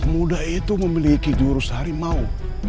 muda itu memiliki jurus harimau